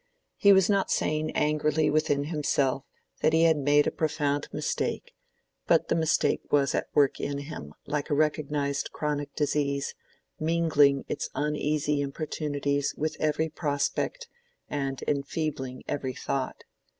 He was not saying angrily within himself that he had made a profound mistake; but the mistake was at work in him like a recognized chronic disease, mingling its uneasy importunities with every prospect, and enfeebling every thought.